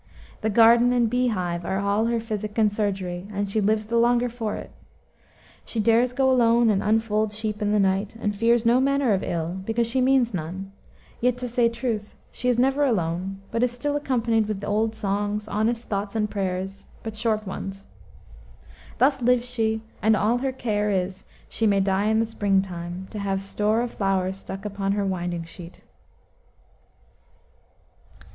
The garden and bee hive are all her physic and surgery, and she lives the longer for it. She dares go alone and unfold sheep in the night, and fears no manner of ill, because she means none; yet to say truth, she is never alone, but is still accompanied with old songs, honest thoughts and prayers, but short ones. Thus lives she, and all her care is she may die in the spring time, to have store of flowers stuck upon her winding sheet."